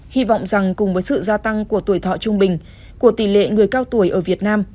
hy vọng rằng cùng với sự gia tăng của tuổi thọ trung bình của tỷ lệ người cao tuổi ở việt nam